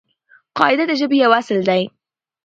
قاعده د ژبې یو اصل دئ.